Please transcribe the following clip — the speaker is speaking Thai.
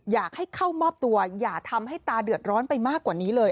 อยากให้เข้ามอบตัวอย่าทำให้ตาเดือดร้อนไปมากกว่านี้เลย